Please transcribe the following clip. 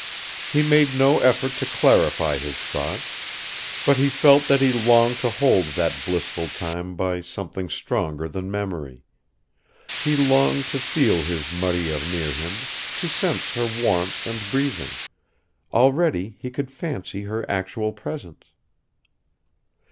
He made no effort to clarify his thoughts, but he felt that he longed to hold that blissful time by something stronger than memory; he longed to feel his Marya near him, to sense her warmth and breathing; already he could fancy her actual presence